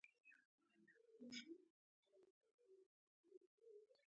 آیا د جامو په جوړولو کې د انجینر کار شته